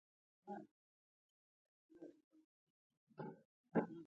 زړه د پاک نیت هنداره ده.